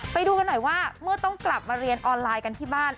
ไปดูกันหน่อยว่าเมื่อต้องกลับมาเรียนออนไลน์กันที่บ้าน